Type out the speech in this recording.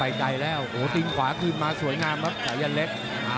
ไปใจแล้วตีนขวาคาคืนมาสวยงามสายยับเล็ก